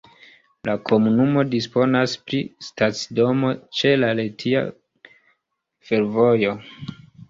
La komunumo disponas pri stacidomo ĉe la Retia Fervojo.